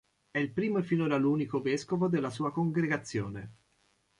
È il primo e finora l'unico vescovo della sua congregazione.